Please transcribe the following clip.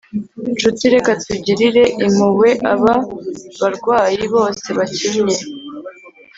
nshuti, reka tugirire impuhwe aba barwayi bose bakennye